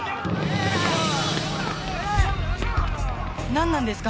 ・何なんですか？